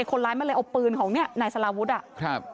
คนร้ายมาเลยเอาปืนของนายสาราวุฒิ